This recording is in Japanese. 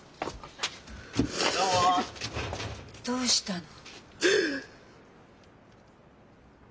どうしたの？